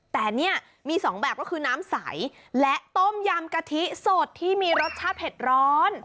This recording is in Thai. แต่เนี่ยมีสองแบบก็คือน้ำใสและต้มยำกะทิสดที่มีรสชาติเผ็ดร้อน